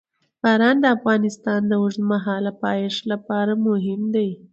باران د افغانستان د اوږدمهاله پایښت لپاره مهم دی.